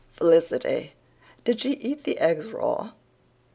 FELICITY: "Did she eat the eggs raw?"